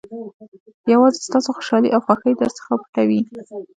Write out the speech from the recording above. یوازې ستاسو خوشالۍ او خوښۍ درڅخه پټوي.